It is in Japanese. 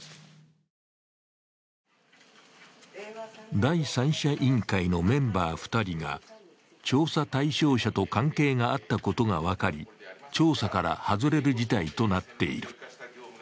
第三者委員会のメンバー２人が調査対象者と関係があったことが分かり調査から外れる事態となっている。